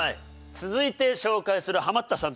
続いて紹介するハマったさん